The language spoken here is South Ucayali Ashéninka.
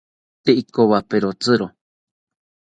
Tee ikowaperotzi